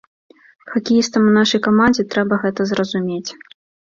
Хакеістам у нашай камандзе трэба гэта зразумець.